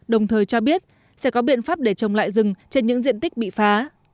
đồng thời cho biết sẽ có biện pháp để trồng lại rừng trên những diện tích bị phá